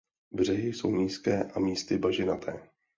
Břehy jsou nízké a místy bažinaté.